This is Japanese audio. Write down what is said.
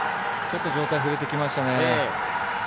ちょっと上体、振れてきましたね。